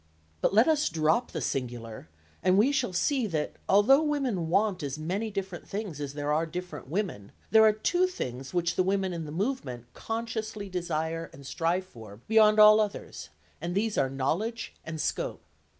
But let us drop the singular and we shall see that although women want as many different things as there are different women, there are two things which the women in the movement consciously desire and strive for beyond all others, and these are knowledge and scope.